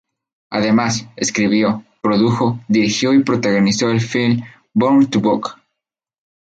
Además, escribió, produjo, dirigió y protagonizó el film "Born to Buck".